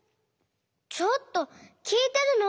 ちょっときいてるの？